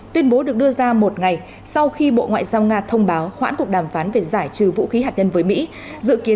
tuyên bố được đưa ra một ngày sau khi bộ ngoại giao nga thông báo khoãn cuộc đàm phán về giải trừ vũ khí hạt nhân với mỹ